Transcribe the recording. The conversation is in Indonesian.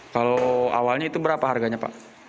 kalau awalnya itu berapa harganya pak